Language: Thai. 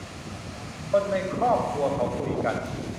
คนในครอบครัวเขาคุยกัน